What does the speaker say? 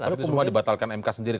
seperti semua dibatalkan mk sendiri